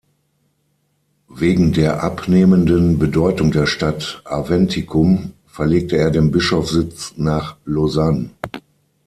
Wegen der abnehmenden Bedeutung der Stadt Aventicum verlegte er den Bischofssitz nach Lausanne.